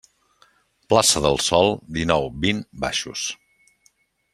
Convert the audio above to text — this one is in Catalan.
Plaça del Sol dinou - vint, baixos.